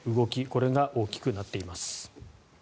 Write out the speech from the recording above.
これが大きくなっています。